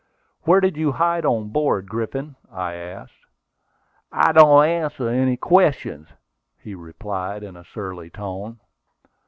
"Where did you hide on board, Griffin?" I asked. "I don't answer any questions," he replied, in a surly tone.